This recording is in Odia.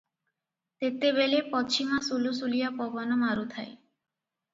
ତେତେବେଳେ ପଛିମା ସୁଲୁସୁଲିଆ ପବନ ମାରୁଥାଏ ।